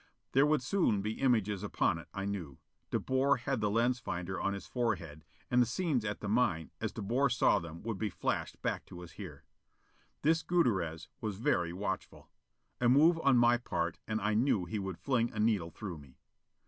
There would soon be images upon it, I knew: De Boer had the lens finder on his forehead, and the scenes at the mine, as De Boer saw them would be flashed back to us here. This Gutierrez was very watchful. A move on my part and I knew he would fling a needle through me.